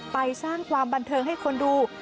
ไปสร้างความบันเทิงให้คนดู